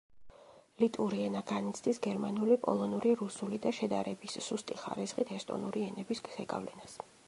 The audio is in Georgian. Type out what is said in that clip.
ლიტვური ენა განიცდის გერმანული, პოლონური, რუსული და შედარების სუსტი ხარისხით ესტონური ენების ზეგავლენას.